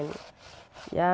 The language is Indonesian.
enggak ada pilihan lain